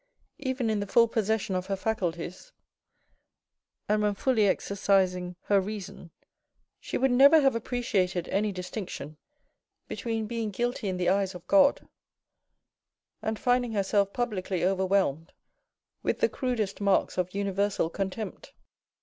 Even in the full possession of her faculties, and when fully exercising her AN EVENING 71 reason, she would never have appreciated any distinction between being guilty in the eyes of God, and finding herself publicly overwhelmed with the crudest marks of universal contempt.